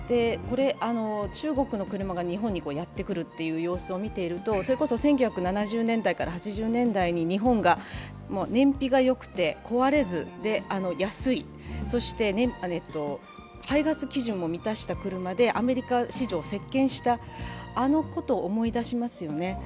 中国の車が日本にやってくるという様子を見ていると、それこそ１９７０年代から８０年代に日本が燃費がよくて壊れず、安い、そして、排ガス基準も満たした車でアメリカ市場を席けんした、あのことを思い出しますよね。